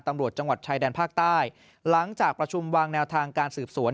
จังหวัดชายแดนภาคใต้หลังจากประชุมวางแนวทางการสืบสวน